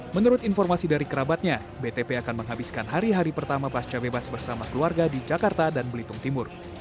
menurut informasi dari kerabatnya btp akan menghabiskan hari hari pertama pasca bebas bersama keluarga di jakarta dan belitung timur